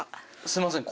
すいません。